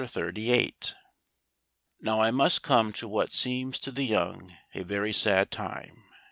The old ash tree. NOW I must come to what seems to the young a very sad time.